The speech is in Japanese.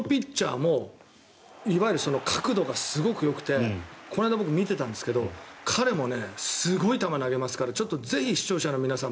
このピッチャーもいわゆる角度がすごくよくてこの間、見てたんですけど彼もすごい球投げますからぜひ視聴者の皆様